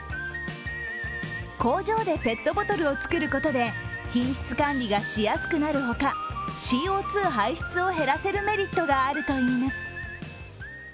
工場でペットボトルを作ることで品質管理がしやすくなるほかＣＯ２排出を減らせるメリットがあるといいます。